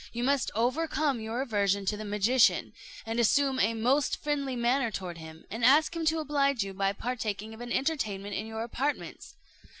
You must overcome your aversion to the magician, and assume a most friendly manner toward him, and ask him to oblige you by partaking of an entertainment in your apartments.